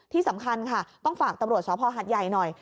ที่สำคัญค่ะต้องฝากตำรวจสภหัดใหญ่หน่อย